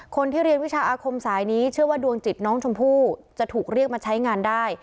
คนที่เรียนวิชาอาคมสายนี้เชื่อว่าดวงจิตน้องชมพู่จะถูกเรียกมาใช้งานได้